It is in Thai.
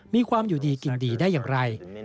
มีความอยู่ดีกินดีได้อย่างไร